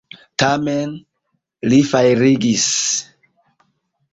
Tamen, li fajrigis.